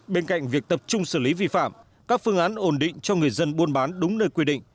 bên cạnh việc tập trung xử lý vi phạm các phương án ổn định cho người dân buôn bán đúng nơi quy định